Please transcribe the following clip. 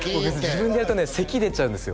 自分でやるとねせき出ちゃうんですよ